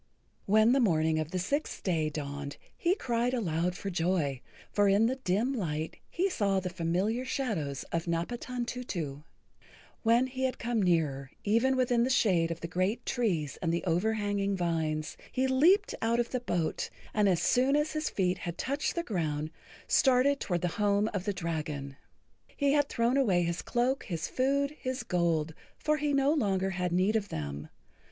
When the morning of the sixth day dawned he cried aloud for joy, for in the dim light he saw the familiar shadows of Napatantutu. When he had come nearer, even within the shade of the great trees and the overhanging vines, he leaped out of the boat, and as soon as his feet had touched the ground, started toward the[Pg 67] home of the dragon. He had thrown away his cloak, his food, his gold, for he no longer had need of them.